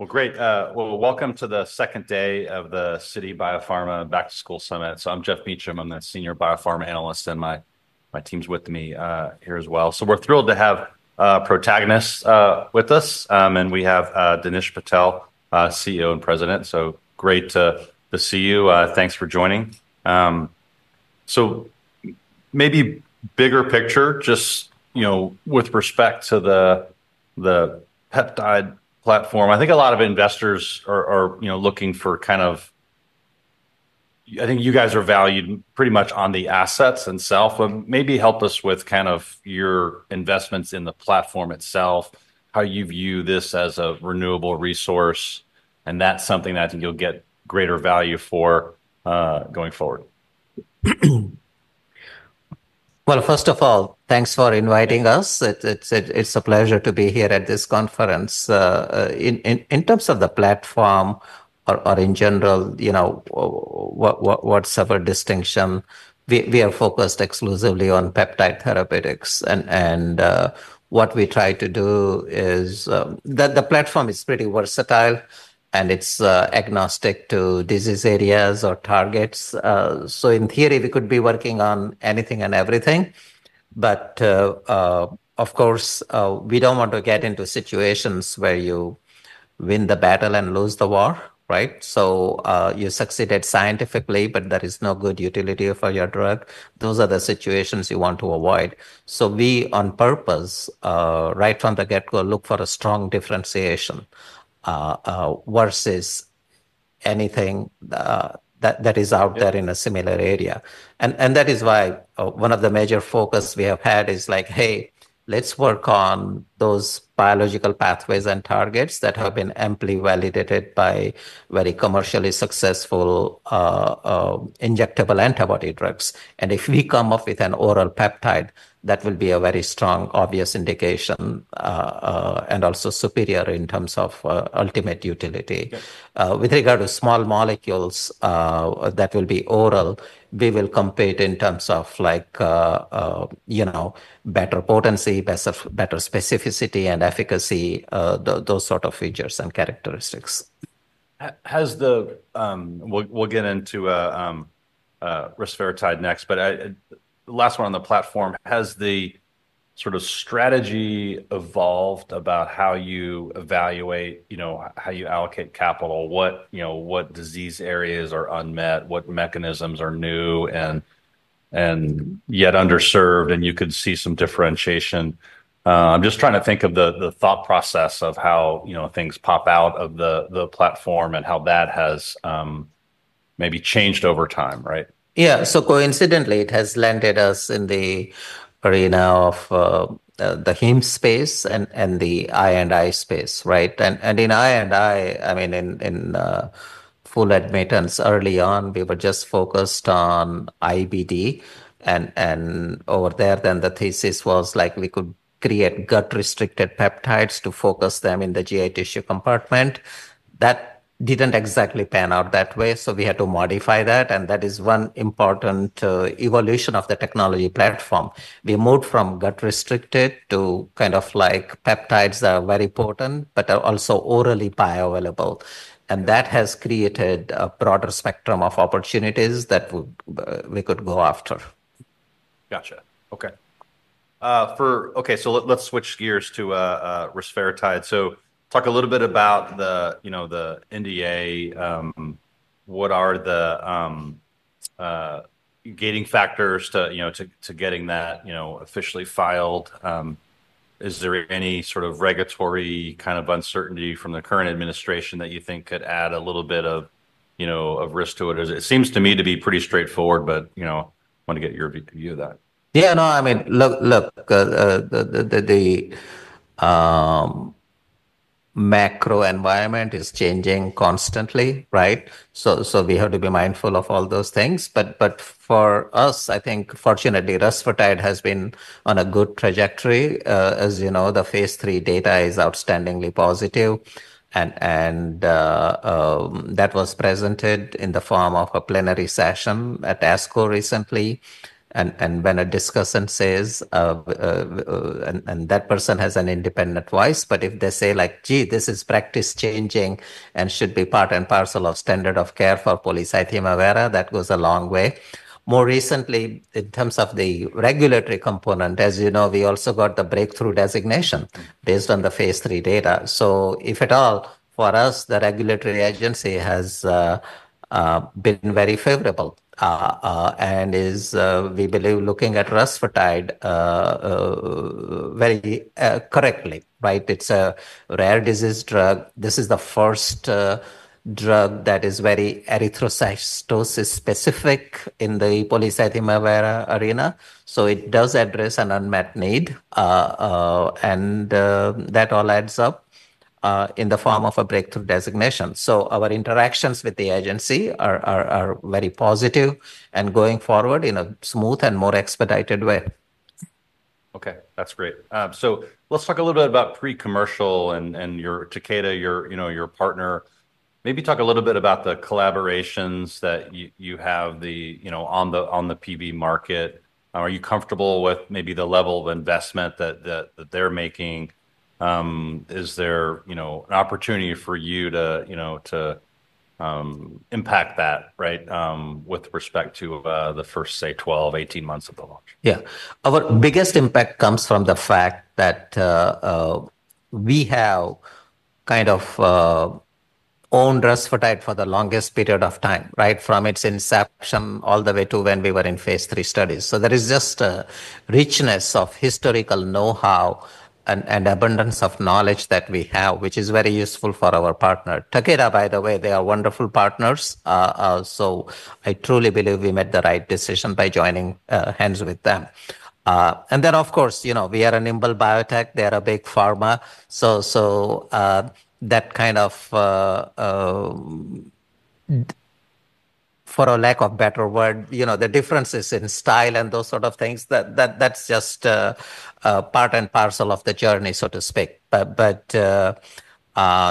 All right. Well, great. Well, welcome to the second day of the Citi Biopharma Back to School Summit. So I'm Geoff Meacham. I'm the Senior Biopharma Analyst, and my team's with me here as well. So we're thrilled to have Protagonist with us. And we have Dinesh Patel, CEO and President. So great to see you. Thanks for joining. So maybe bigger picture, just with respect to the peptide platform. I think a lot of investors are looking for kind of. I think you guys are valued pretty much on the assets themselves. But maybe help us with kind of your investments in the platform itself, how you view this as a renewable resource. And that's something that I think you'll get greater value for going forward. First of all, thanks for inviting us. It's a pleasure to be here at this conference. In terms of the platform or in general, what's our distinction? We are focused exclusively on peptide therapeutics. And what we try to do is the platform is pretty versatile, and it's agnostic to disease areas or targets. So in theory, we could be working on anything and everything. But of course, we don't want to get into situations where you win the battle and lose the war, right? So you succeeded scientifically, but there is no good utility for your drug. Those are the situations you want to avoid. So we, on purpose, right from the get-go, look for a strong differentiation versus anything that is out there in a similar area. That is why one of the major focuses we have had is like, hey, let's work on those biological pathways and targets that have been amply validated by very commercially successful injectable antibody drugs. And if we come up with an oral peptide, that will be a very strong, obvious indication and also superior in terms of ultimate utility. With regard to small molecules that will be oral, we will compete in terms of better potency, better specificity, and efficacy, those sort of features and characteristics. We'll get into rusfertide next. But last one on the platform, has the sort of strategy evolved about how you evaluate, how you allocate capital, what disease areas are unmet, what mechanisms are new and yet underserved, and you could see some differentiation? I'm just trying to think of the thought process of how things pop out of the platform and how that has maybe changed over time, right? Yeah. So coincidentally, it has landed us in the arena of the heme space and the I&I space, right? And in I&I, I mean, in full admittance early on, we were just focused on IBD. And over there, then the thesis was like we could create gut-restricted peptides to focus them in the GI tissue compartment. That didn't exactly pan out that way. So we had to modify that. And that is one important evolution of the technology platform. We moved from gut-restricted to kind of like peptides that are very potent but are also orally bioavailable. And that has created a broader spectrum of opportunities that we could go after. Gotcha. Okay. Okay. So let's switch gears to rusfertide. So talk a little bit about the NDA. What are the gating factors to getting that officially filed? Is there any sort of regulatory kind of uncertainty from the current administration that you think could add a little bit of risk to it? It seems to me to be pretty straightforward, but I want to get your view of that. Yeah. No, I mean, look, the macro environment is changing constantly, right? So we have to be mindful of all those things. But for us, I think, fortunately, rusfertide has been on a good trajectory. As you know, the phase III data is outstandingly positive. And that was presented in the form of a plenary session at ASCO recently. And when a discussant says, and that person has an independent voice, but if they say like, "Gee, this is practice-changing and should be part and parcel of standard of care for polycythemia vera," that goes a long way. More recently, in terms of the regulatory component, as you know, we also got the Breakthrough Therapy Designation based on the phase III data. So if at all, for us, the regulatory agency has been very favorable and is, we believe, looking at rusfertide very correctly, right? It's a rare disease drug. This is the first drug that is very erythrocytosis-specific in the polycythemia vera arena. So it does address an unmet need. And that all adds up in the form of a breakthrough designation. So our interactions with the agency are very positive and going forward in a smooth and more expedited way. Okay. That's great. So let's talk a little bit about pre-commercial and your Takeda, your partner. Maybe talk a little bit about the collaborations that you have on the PV market. Are you comfortable with maybe the level of investment that they're making? Is there an opportunity for you to impact that, right, with respect to the first, say, 12-18 months of the launch? Yeah. Our biggest impact comes from the fact that we have kind of owned rusfertide for the longest period of time, right, from its inception all the way to when we were in phase III studies. So there is just a richness of historical know-how and abundance of knowledge that we have, which is very useful for our partner. Takeda, by the way, they are wonderful partners. So I truly believe we made the right decision by joining hands with them. And then, of course, we are a Nimble Biotech. They are a big pharma. So that kind of, for a lack of better word, the differences in style and those sort of things, that's just part and parcel of the journey, so to speak. But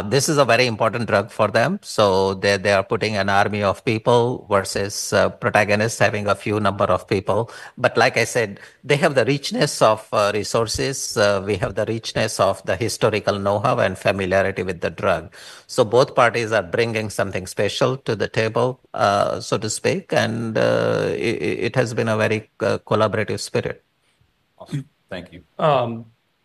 this is a very important drug for them. So they are putting an army of people versus Protagonist having a few number of people. But like I said, they have the richness of resources. We have the richness of the historical know-how and familiarity with the drug. So both parties are bringing something special to the table, so to speak. And it has been a very collaborative spirit. Awesome. Thank you. Yeah.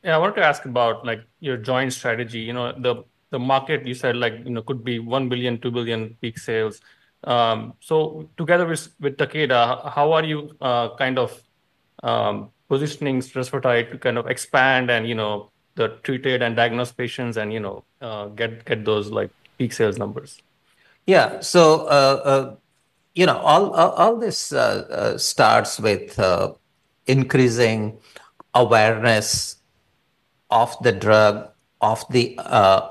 I wanted to ask about your joint strategy. The market, you said, could be $1 billion-$2 billion peak sales. So together with Takeda, how are you kind of positioning rusfertide to kind of expand and the treated and diagnosed patients and get those peak sales numbers? Yeah. So all this starts with increasing awareness of the drug, of the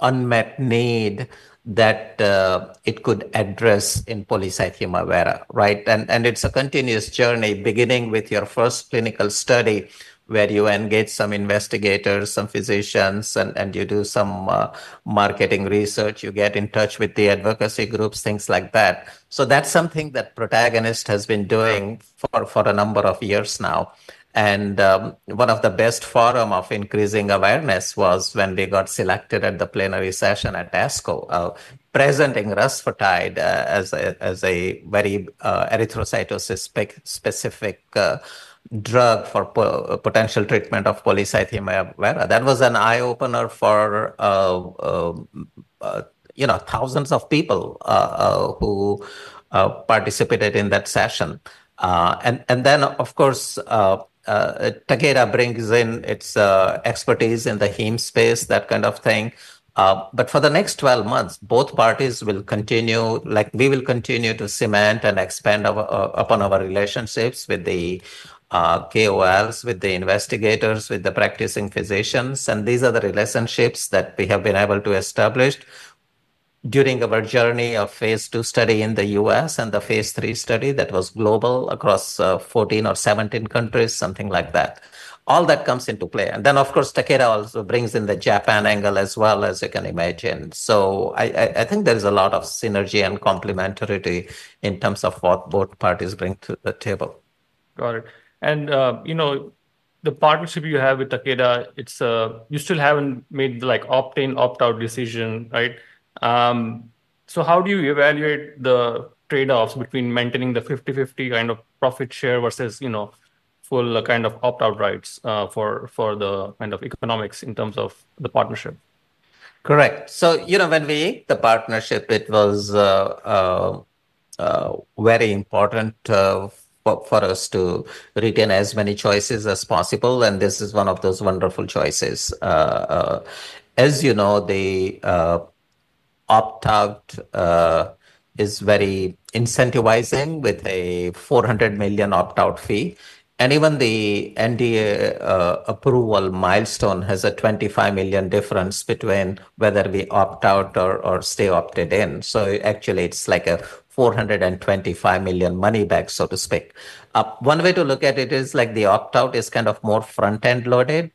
unmet need that it could address in polycythemia vera, right? And it's a continuous journey, beginning with your first clinical study where you engage some investigators, some physicians, and you do some marketing research. You get in touch with the advocacy groups, things like that. So that's something that Protagonist has been doing for a number of years now. And one of the best forums of increasing awareness was when we got selected at the plenary session at ASCO, presenting rusfertide as a very erythrocytosis-specific drug for potential treatment of polycythemia vera. That was an eye-opener for thousands of people who participated in that session. And then, of course, Takeda brings in its expertise in the heme space, that kind of thing. For the next 12 months, both parties will continue, like we will continue to cement and expand upon our relationships with the KOLs, with the investigators, with the practicing physicians. These are the relationships that we have been able to establish during our journey of phase II study in the U.S. and the phase III study that was global across 14 or 17 countries, something like that. All that comes into play. Then, of course, Takeda also brings in the Japan angle as well, as you can imagine. I think there is a lot of synergy and complementarity in terms of what both parties bring to the table. Got it. And the partnership you have with Takeda, you still haven't made the opt-in, opt-out decision, right? So how do you evaluate the trade-offs between maintaining the 50/50 kind of profit share versus full kind of opt-out rights for the kind of economics in terms of the partnership? Correct. So when we announced the partnership, it was very important for us to retain as many choices as possible. And this is one of those wonderful choices. As you know, the opt-out is very incentivizing with a $400 million opt-out fee. And even the NDA approval milestone has a $25 million difference between whether we opt out or stay opted in. So actually, it's like a $425 million money back, so to speak. One way to look at it is like the opt-out is kind of more front-end loaded,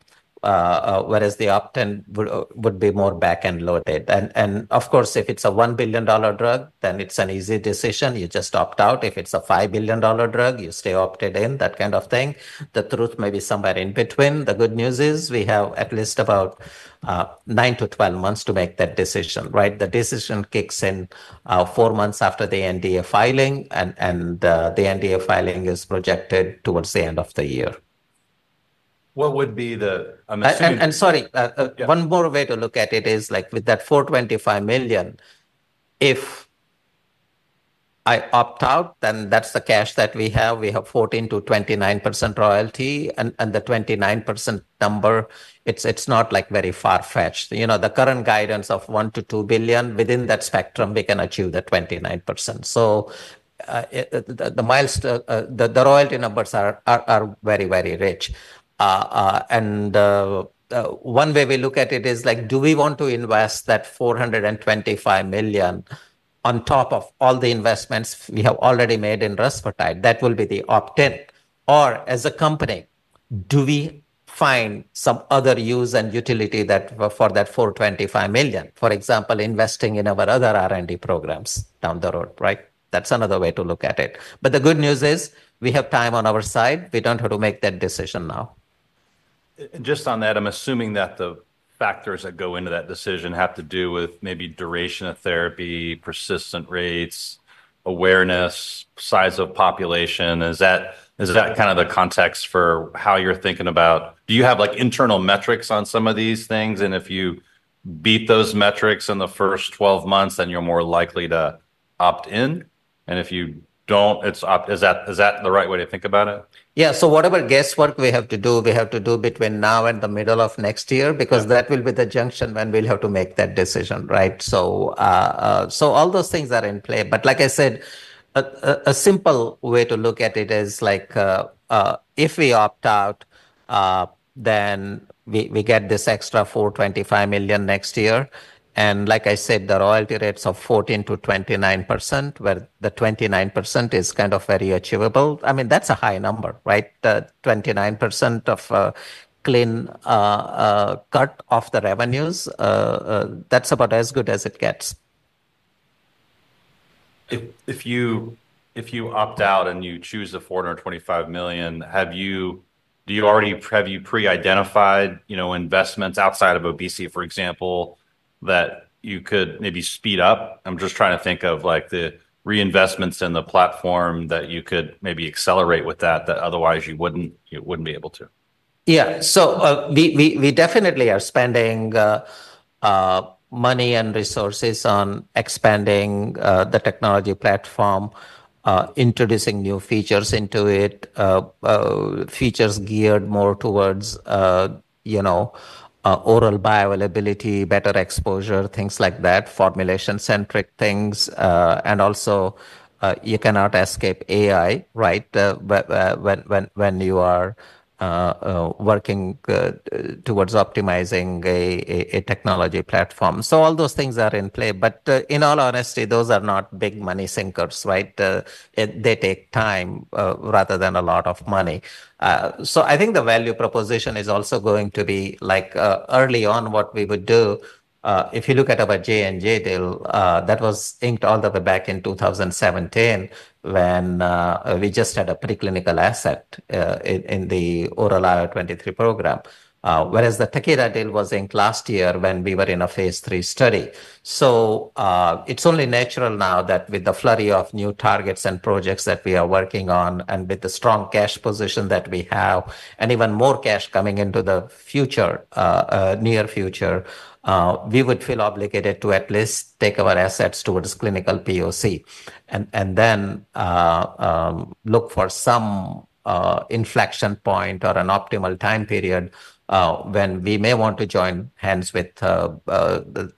whereas the opt-out would be more back-end loaded. And of course, if it's a $1 billion drug, then it's an easy decision. You just opt out. If it's a $5 billion drug, you stay opted in, that kind of thing. The truth may be somewhere in between. The good news is we have at least about nine to 12 months to make that decision, right? The decision kicks in four months after the NDA filing, and the NDA filing is projected towards the end of the year. What would be the? Sorry, one more way to look at it is like with that $425 million, if I opt out, then that's the cash that we have. We have 14%-29% royalty. And the 29% number, it's not like very far-fetched. The current guidance of $1 billion-$2 billion, within that spectrum, we can achieve the 29%. So the royalty numbers are very, very rich. And one way we look at it is like, do we want to invest that $425 million on top of all the investments we have already made in rusfertide? That will be the opt-in. Or as a company, do we find some other use and utility for that $425 million, for example, investing in our other R&D programs down the road, right? That's another way to look at it. But the good news is we have time on our side. We don't have to make that decision now. And just on that, I'm assuming that the factors that go into that decision have to do with maybe duration of therapy, persistent rates, awareness, size of population. Is that kind of the context for how you're thinking about? Do you have internal metrics on some of these things? And if you beat those metrics in the first 12 months, then you're more likely to opt in? And if you don't, is that the right way to think about it? Yeah. So whatever guesswork we have to do, we have to do between now and the middle of next year because that will be the junction when we'll have to make that decision, right? So all those things are in play. But like I said, a simple way to look at it is like if we opt out, then we get this extra $425 million next year. And like I said, the royalty rates of 14%-29%, where the 29% is kind of very achievable. I mean, that's a high number, right? 29% of clean cut of the revenues. That's about as good as it gets. If you opt out and you choose the $425 million, do you already have pre-identified investments outside of obesity, for example, that you could maybe speed up? I'm just trying to think of the reinvestments in the platform that you could maybe accelerate with that otherwise you wouldn't be able to. Yeah. So we definitely are spending money and resources on expanding the technology platform, introducing new features into it, features geared more towards oral bioavailability, better exposure, things like that, formulation-centric things. And also, you cannot escape AI, right, when you are working towards optimizing a technology platform. So all those things are in play. But in all honesty, those are not big money sinkers, right? They take time rather than a lot of money. So I think the value proposition is also going to be like early on what we would do. If you look at our J&J deal, that was inked all the way back in 2017 when we just had a preclinical asset in the oral IL-23 program, whereas the Takeda deal was inked last year when we were in a phase III study. So it's only natural now that with the flurry of new targets and projects that we are working on and with the strong cash position that we have and even more cash coming into the near future, we would feel obligated to at least take our assets towards clinical POC and then look for some inflection point or an optimal time period when we may want to join hands with the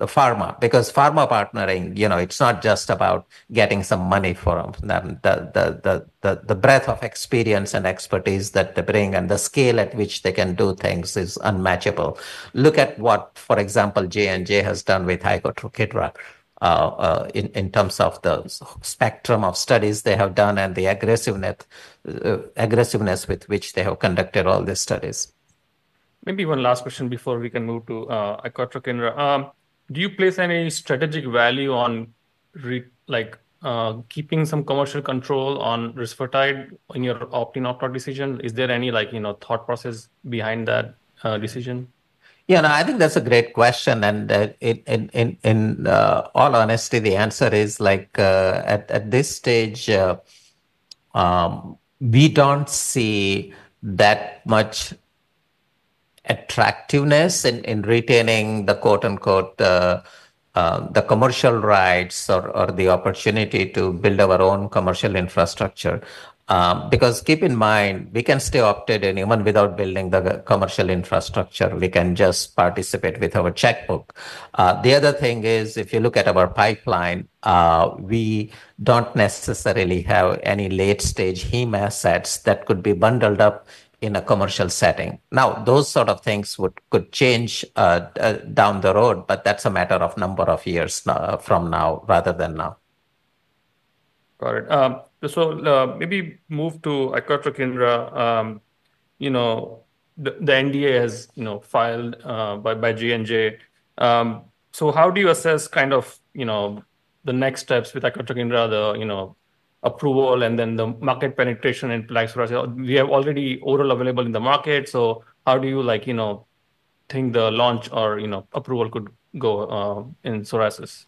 pharma. Because pharma partnering, it's not just about getting some money for them. The breadth of experience and expertise that they bring and the scale at which they can do things is unmatchable. Look at what, for example, J&J has done with icotrokinra in terms of the spectrum of studies they have done and the aggressiveness with which they have conducted all these studies. Maybe one last question before we can move to icotrokinra. Do you place any strategic value on keeping some commercial control on rusfertide in your opt-in opt-out decision? Is there any thought process behind that decision? Yeah. No, I think that's a great question. And in all honesty, the answer is like at this stage, we don't see that much attractiveness in retaining the quote-unquote "commercial rights" or the opportunity to build our own commercial infrastructure. Because keep in mind, we can stay opted in even without building the commercial infrastructure. We can just participate with our checkbook. The other thing is, if you look at our pipeline, we don't necessarily have any late-stage heme assets that could be bundled up in a commercial setting. Now, those sort of things could change down the road, but that's a matter of number of years from now rather than now. Got it. So maybe move to icotrokinra. The NDA has filed by J&J. So how do you assess kind of the next steps with icotrokinra, the approval, and then the market penetration in place? We have already oral available in the market. So how do you think the launch or approval could go in psoriasis?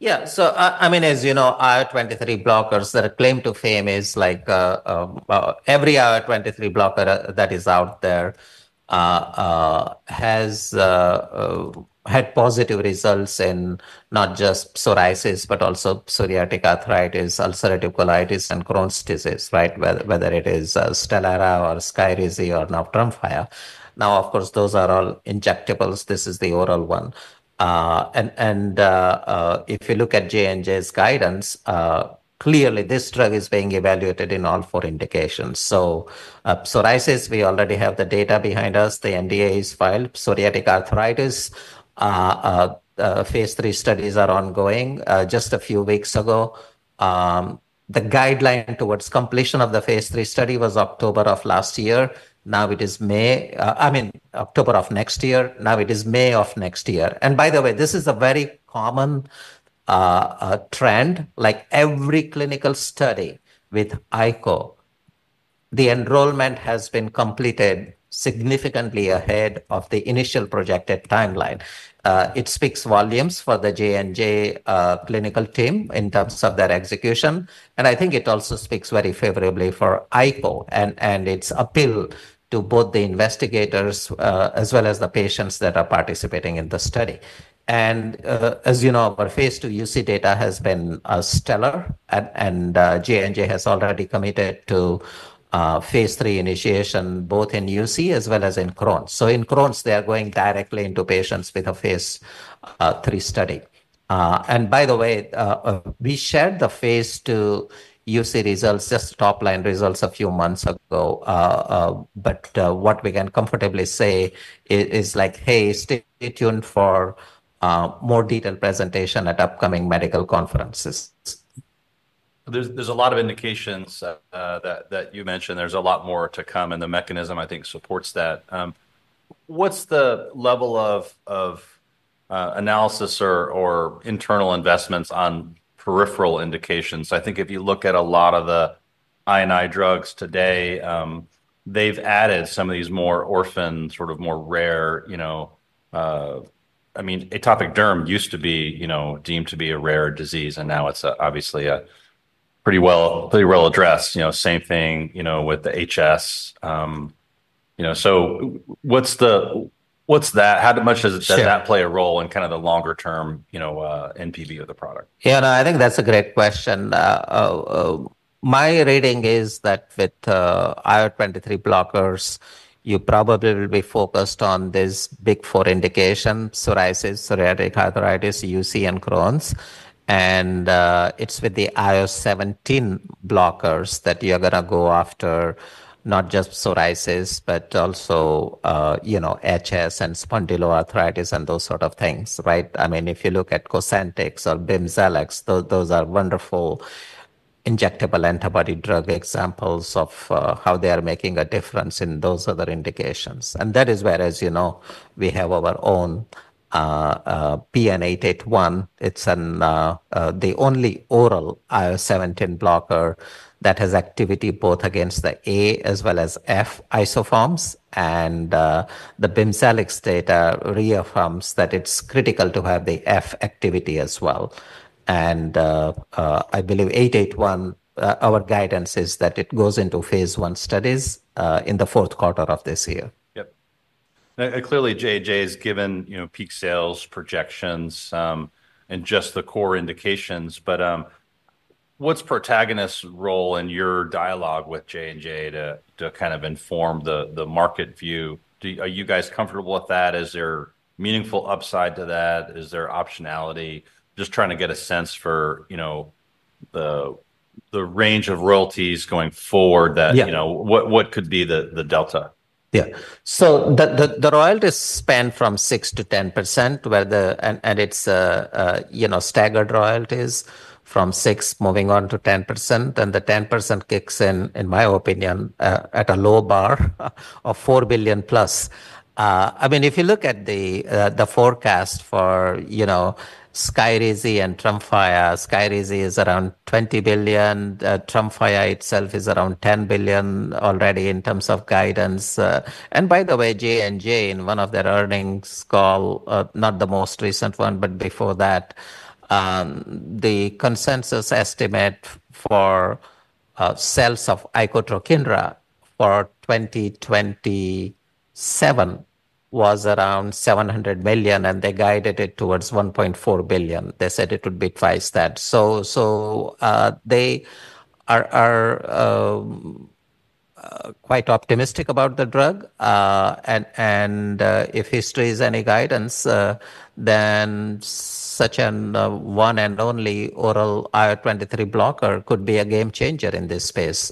Yeah. So I mean, as you know, IL-23 blockers, their claim to fame is like every IL-23 blocker that is out there has had positive results in not just psoriasis, but also psoriatic arthritis, ulcerative colitis, and Crohn's disease, right? Whether it is Stelara or Skyrizi or Tremfya. Now, of course, those are all injectables. This is the oral one. And if you look at J&J's guidance, clearly, this drug is being evaluated in all four indications. Psoriasis, we already have the data behind us. The NDA is filed. Psoriatic arthritis, phase III studies are ongoing. Just a few weeks ago, the guideline towards completion of the phase III study was October of last year. Now it is May. I mean, October of next year. Now it is May of next year. And by the way, this is a very common trend. Like every clinical study with icotrokinra, the enrollment has been completed significantly ahead of the initial projected timeline. It speaks volumes for the J&J clinical team in terms of their execution, and I think it also speaks very favorably for icotrokinra and its appeal to both the investigators as well as the patients that are participating in the study, and as you know, our phase II UC data has been Stellar, and J&J has already committed to phase III initiation both in UC as well as in Crohn's, so in Crohn's, they are going directly into patients with a phase III study, and by the way, we shared the phase II UC results, just top-line results a few months ago, but what we can comfortably say is like, hey, stay tuned for more detailed presentation at upcoming medical conferences. There's a lot of indications that you mentioned. There's a lot more to come, and the mechanism, I think, supports that. What's the level of analysis or internal investments on peripheral indications? I think if you look at a lot of the I&I drugs today, they've added some of these more orphaned, sort of more rare. I mean, atopic derm used to be deemed to be a rare disease, and now it's obviously pretty well addressed. Same thing with the HS, so what's that? How much does that play a role in kind of the longer-term NPV of the product? Yeah. No, I think that's a great question. My rating is that with IL-23 blockers, you probably will be focused on this big four indication: psoriasis, psoriatic arthritis, UC, and Crohn's. And it's with the IL-17 blockers that you're going to go after not just psoriasis, but also HS and spondyloarthritis and those sort of things, right? I mean, if you look at Cosentyx or Bimzelx, those are wonderful injectable antibody drug examples of how they are making a difference in those other indications. And that is where, as you know, we have our own PN-881. It's the only oral IL-17 blocker that has activity both against the A as well as F isoforms. And the Bimzelx data reaffirms that it's critical to have the F activity as well. And I believe 881, our guidance is that it goes into phase I studies in the fourth quarter of this year. Yep. Clearly, J&J has given peak sales projections and just the core indications. But what's Protagonist's role in your dialogue with J&J to kind of inform the market view? Are you guys comfortable with that? Is there meaningful upside to that? Is there optionality? Just trying to get a sense for the range of royalties going forward that what could be the delta? Yeah. So the royalties span from 6%-10%, and it's staggered royalties from 6% moving on to 10%. And the 10% kicks in, in my opinion, at a low bar of $4 billion+. I mean, if you look at the forecast for Skyrizi and Tremfya, Skyrizi is around $20 billion. Tremfya itself is around $10 billion already in terms of guidance. And by the way, J&J in one of their earnings call, not the most recent one, but before that, the consensus estimate for sales of icotrokinra for 2027 was around $700 million. And they guided it towards $1.4 billion. They said it would be twice that. So they are quite optimistic about the drug. And if history is any guidance, then such a one and only oral IL-23 blocker could be a game changer in this space.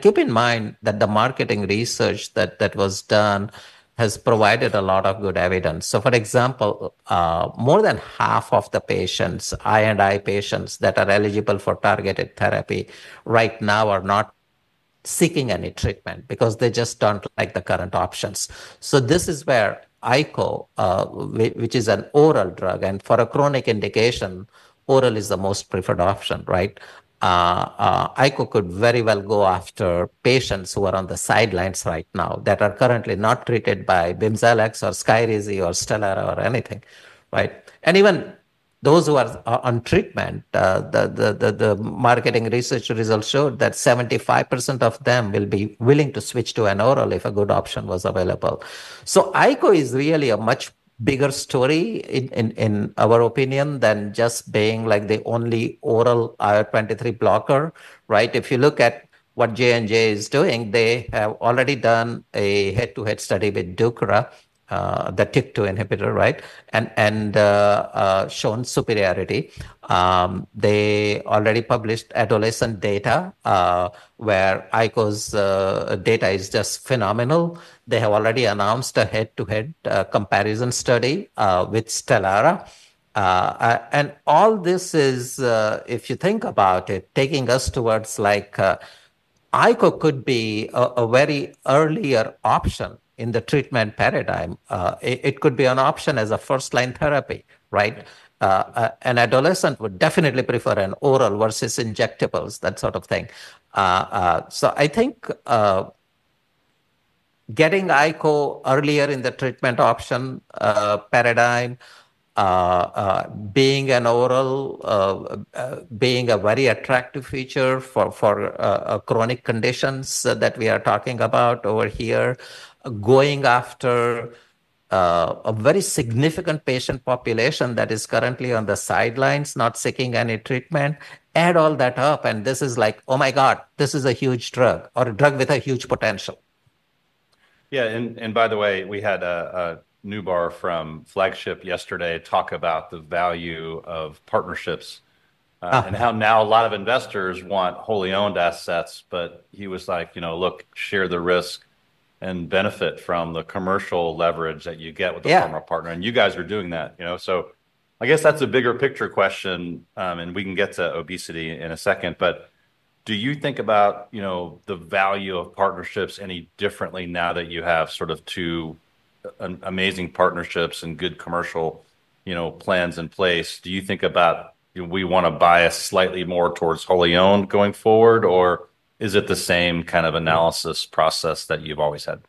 Keep in mind that the marketing research that was done has provided a lot of good evidence. For example, more than half of the patients, I&I patients that are eligible for targeted therapy right now are not seeking any treatment because they just don't like the current options. This is where Ico, which is an oral drug, and for a chronic indication, oral is the most preferred option, right? Ico could very well go after patients who are on the sidelines right now that are currently not treated by Bimzelx or Skyrizi or Stelara or anything, right? Even those who are on treatment, the marketing research results showed that 75% of them will be willing to switch to an oral if a good option was available. So icotrokinra is really a much bigger story, in our opinion, than just being like the only oral IL-23 blocker, right? If you look at what J&J is doing, they have already done a head-to-head study with Sotyktu, the TYK2 inhibitor, right, and shown superiority. They already published adolescent data where icotrokinra's data is just phenomenal. They have already announced a head-to-head comparison study with Stelara. And all this is, if you think about it, taking us towards like icotrokinra could be a very earlier option in the treatment paradigm. It could be an option as a first-line therapy, right? An adolescent would definitely prefer an oral versus injectables, that sort of thing. So I think getting icotrokinra earlier in the treatment option paradigm, being an oral, being a very attractive feature for chronic conditions that we are talking about over here, going after a very significant patient population that is currently on the sidelines, not seeking any treatment, add all that up, and this is like, "Oh my God, this is a huge drug or a drug with a huge potential. Yeah. And by the way, we had a Noubar from Flagship yesterday talk about the value of partnerships and how now a lot of investors want wholly owned assets. But he was like, "Look, share the risk and benefit from the commercial leverage that you get with a pharma partner." And you guys are doing that. So I guess that's a bigger picture question. And we can get to obesity in a second. But do you think about the value of partnerships any differently now that you have sort of two amazing partnerships and good commercial plans in place? Do you think about, "We want to bias slightly more towards wholly owned going forward," or is it the same kind of analysis process that you've always had?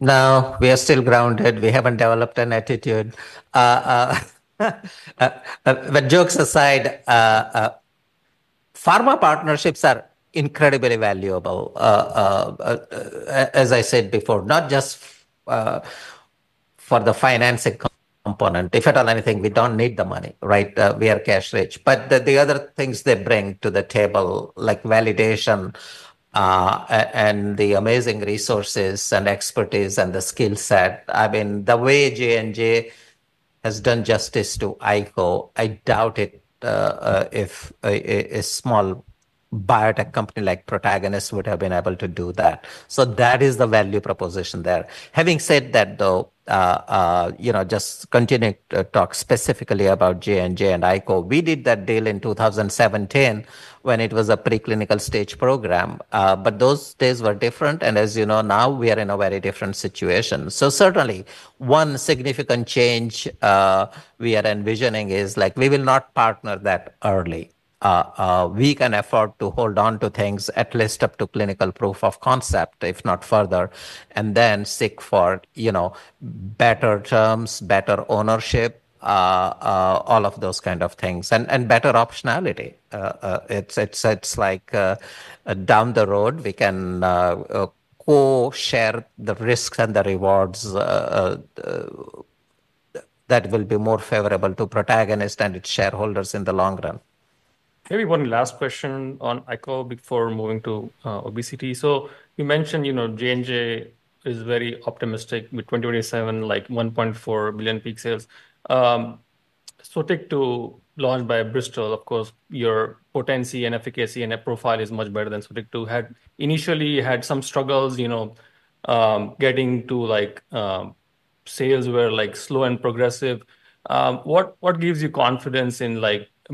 No, we are still grounded. We haven't developed an attitude. But jokes aside, pharma partnerships are incredibly valuable, as I said before, not just for the financing component. If at all anything, we don't need the money, right? We are cash rich. But the other things they bring to the table, like validation and the amazing resources and expertise and the skill set, I mean, the way J&J has done justice to icotrokinra, I doubt it if a small biotech company like Protagonist would have been able to do that. So that is the value proposition there. Having said that, though, just continuing to talk specifically about J&J and icotrokinra, we did that deal in 2017 when it was a preclinical stage program. But those days were different. And as you know, now we are in a very different situation. So certainly, one significant change we are envisioning is like we will not partner that early. We can afford to hold on to things at least up to clinical proof of concept, if not further, and then seek for better terms, better ownership, all of those kind of things, and better optionality. It's like down the road, we can co-share the risks and the rewards that will be more favorable to Protagonist and its shareholders in the long run. Maybe one last question on icotrokinra before moving to obesity. So you mentioned J&J is very optimistic with 2027, like $1.4 billion peak sales. Sotyktu launched by Bristol. Of course, your potency and efficacy and profile is much better than Sotyktu. Initially, you had some struggles getting to sales were slow and progressive. What gives you confidence in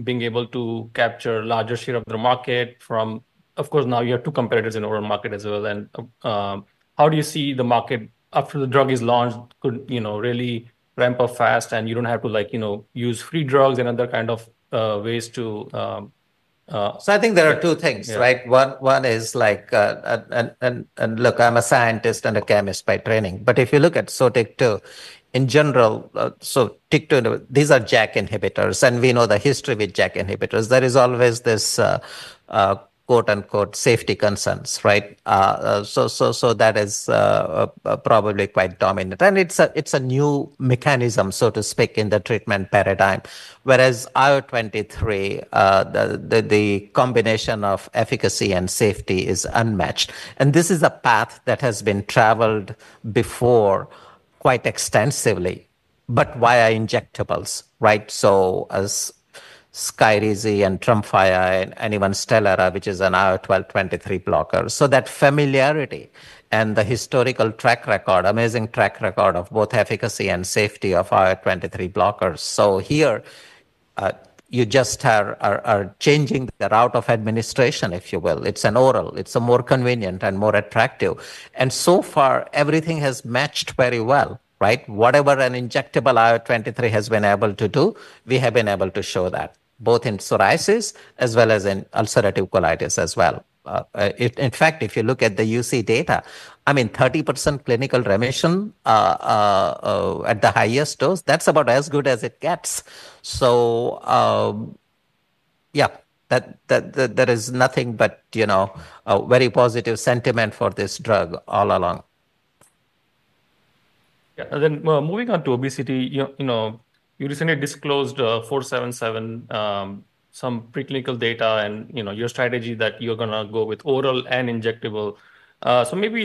being able to capture a larger share of the market from, of course, now you have two competitors in the oral market as well? And how do you see the market after the drug is launched could really ramp up fast and you don't have to use free drugs and other kind of ways to? I think there are two things, right? One is like, and look, I'm a scientist and a chemist by training. But if you look at Sotyktu in general, so TYK2, these are JAK inhibitors. And we know the history with JAK inhibitors. There is always this quote unquote safety concerns, right? So that is probably quite dominant. And it's a new mechanism, so to speak, in the treatment paradigm. Whereas IL-23, the combination of efficacy and safety is unmatched. And this is a path that has been traveled before quite extensively, but via injectables, right? Such as Skyrizi and Tremfya and even Stelara, which is an IL-23 blocker. So that familiarity and the historical track record, amazing track record of both efficacy and safety of IL-23 blockers. So here, you just are changing the route of administration, if you will. It's an oral. It's more convenient and more attractive, and so far, everything has matched very well, right? Whatever an injectable IL-23 has been able to do, we have been able to show that both in psoriasis as well as in ulcerative colitis as well. In fact, if you look at the UC data, I mean, 30% clinical remission at the highest dose, that's about as good as it gets, so yeah, there is nothing but very positive sentiment for this drug all along. Yeah. And then moving on to obesity, you recently disclosed PN-477, some preclinical data and your strategy that you're going to go with oral and injectable. So maybe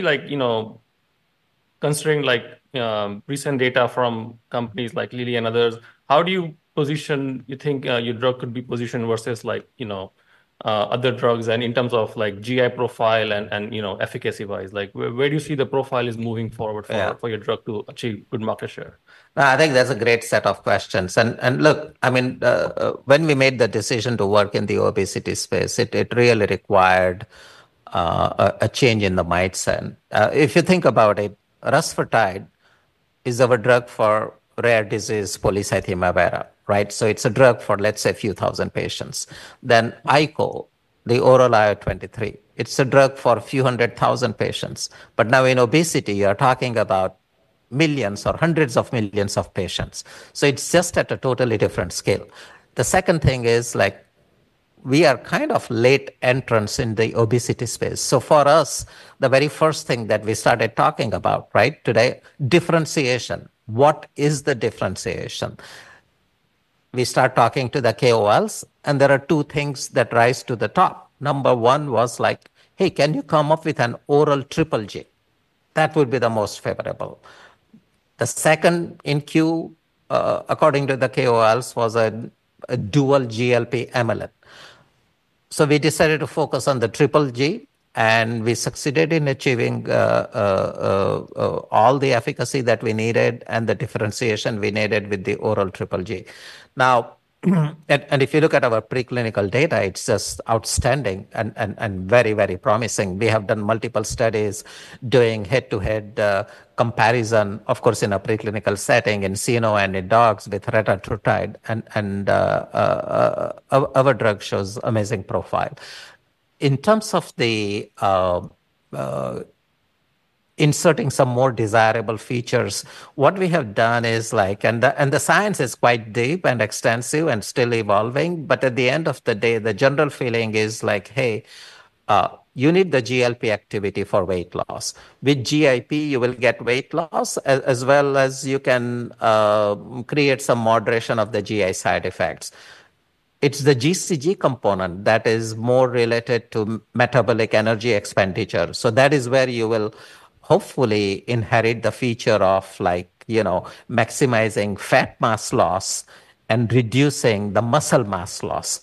considering recent data from companies like Lilly and others, how do you position, you think your drug could be positioned versus other drugs and in terms of GI profile and efficacy-wise? Where do you see the profile is moving forward for your drug to achieve good market share? I think that's a great set of questions, and look, I mean, when we made the decision to work in the obesity space, it really required a change in the mindset. If you think about it, rusfertide is our drug for rare disease, polycythemia vera, right? So it's a drug for, let's say, a few thousand patients. Then Ico, the oral IL-23, it's a drug for a few hundred thousand patients, but now in obesity, you're talking about millions or hundreds of millions of patients, so it's just at a totally different scale. The second thing is like we are kind of late entrants in the obesity space. So for us, the very first thing that we started talking about, right, today, differentiation. What is the differentiation? We start talking to the KOLs, and there are two things that rise to the top. Number one was like, "Hey, can you come up with an oral triple G?" That would be the most favorable. The second in queue, according to the KOLs, was a dual GLP/amylin. So we decided to focus on the triple G, and we succeeded in achieving all the efficacy that we needed and the differentiation we needed with the oral triple G. Now, and if you look at our preclinical data, it's just outstanding and very, very promising. We have done multiple studies doing head-to-head comparison, of course, in a preclinical setting in cyno and in dogs with retatrutide, and our drug shows amazing profile. In terms of inserting some more desirable features, what we have done is like, and the science is quite deep and extensive and still evolving. But at the end of the day, the general feeling is like, "Hey, you need the GLP activity for weight loss. With GIP, you will get weight loss as well as you can create some moderation of the GI side effects." It's the GCG component that is more related to metabolic energy expenditure. So that is where you will hopefully inherit the feature of maximizing fat mass loss and reducing the muscle mass loss.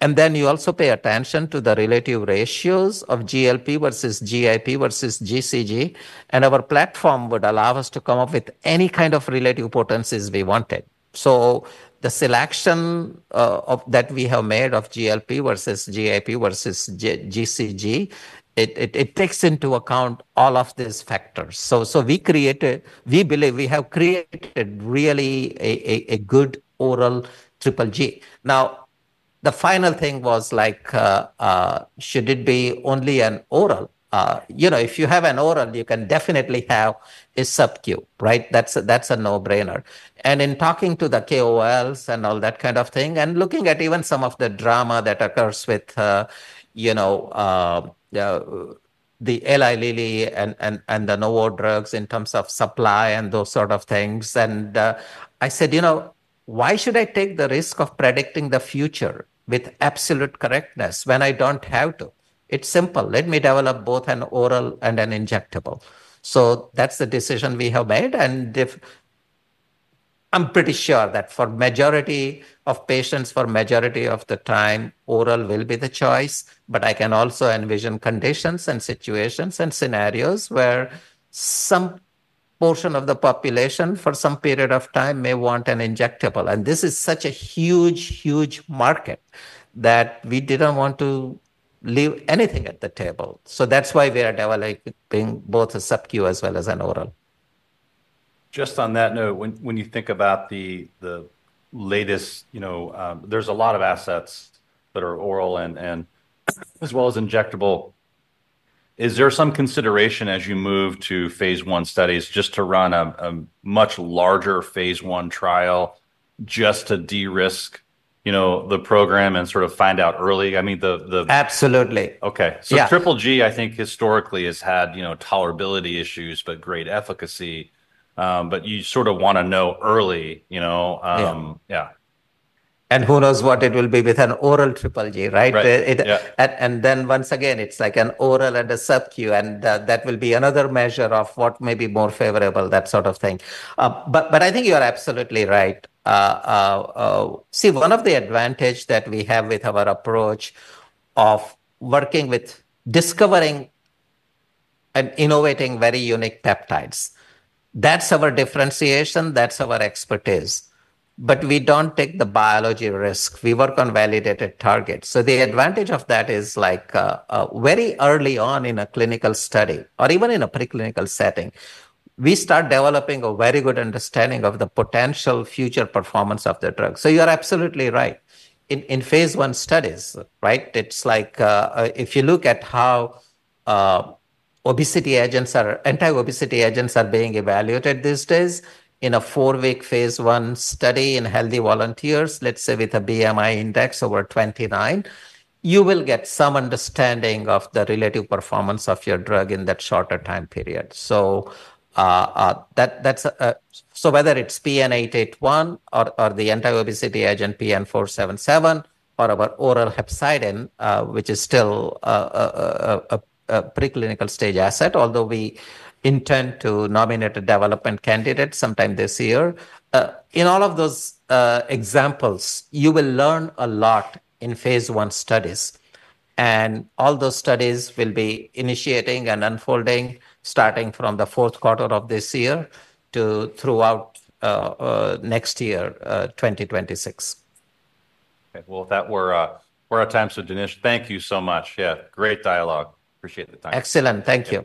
And then you also pay attention to the relative ratios of GLP versus GIP versus GCG. And our platform would allow us to come up with any kind of relative potencies we wanted. So the selection that we have made of GLP versus GIP versus GCG, it takes into account all of these factors. So we believe we have created really a good oral triple G. Now, the final thing was like, "Should it be only an oral?" If you have an oral, you can definitely have a SubQ, right? That's a no-brainer, and in talking to the KOLs and all that kind of thing and looking at even some of the drama that occurs with the Eli Lilly and the Novo drugs in terms of supply and those sort of things, and I said, "You know, why should I take the risk of predicting the future with absolute correctness when I don't have to?" It's simple. Let me develop both an oral and an injectable, so that's the decision we have made, and I'm pretty sure that for majority of patients, for majority of the time, oral will be the choice. I can also envision conditions and situations and scenarios where some portion of the population for some period of time may want an injectable. This is such a huge, huge market that we didn't want to leave anything at the table. That's why we are developing both a SubQ as well as an oral. Just on that note, when you think about the latest, there's a lot of assets that are oral as well as injectable. Is there some consideration as you move to phase I studies just to run a much larger phase I trial just to de-risk the program and sort of find out early? I mean, Absolutely. Okay, so triple G, I think historically has had tolerability issues, but great efficacy, but you sort of want to know early. Yeah. Who knows what it will be with an oral triple G, right? Then once again, it's like an oral and a SubQ, and that will be another measure of what may be more favorable, that sort of thing. I think you are absolutely right. See, one of the advantages that we have with our approach of working with discovering and innovating very unique peptides, that's our differentiation. That's our expertise. We don't take the biology risk. We work on validated targets. The advantage of that is like very early on in a clinical study or even in a preclinical setting, we start developing a very good understanding of the potential future performance of the drug. You're absolutely right. In phase I studies, right, it's like if you look at how anti-obesity agents are being evaluated these days in a four-week phase I study in healthy volunteers, let's say with a BMI index over 29, you will get some understanding of the relative performance of your drug in that shorter time period. So whether it's PN-881 or the anti-obesity agent PN-477 or our oral hepcidin, which is still a preclinical stage asset, although we intend to nominate a development candidate sometime this year. In all of those examples, you will learn a lot in phase I studies. And all those studies will be initiating and unfolding starting from the fourth quarter of this year to throughout next year, 2026. Okay. Well, that's our time, so Dinesh, thank you so much. Yeah, great dialogue. Appreciate the time. Excellent. Thank you.